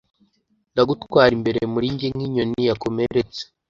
Ndagutwara imbere muri njye nk'inyoni yakomeretse